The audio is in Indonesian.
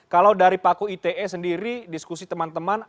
kalau dari paku ite sendiri diskusi teman teman